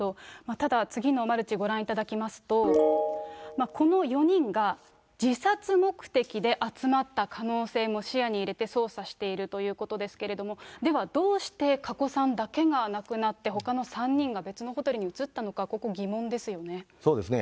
ただ、次のマルチご覧いただきますと、この４人が、自殺目的で集まった可能性も視野に入れて捜査しているということですけれども、では、どうして加古さんだけが亡くなって、ほかの３人が別のホテルに移ったのか、ここ、そうですね。